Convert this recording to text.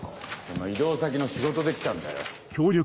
その異動先の仕事で来たんだよ。